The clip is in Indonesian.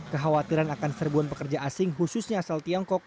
kekhawatiran akan serbuan pekerja asing khususnya asal tiongkok